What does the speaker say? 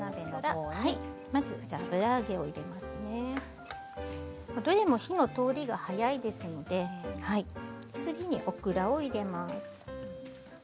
どれも火の通りが早いですので次にオクラを入れます。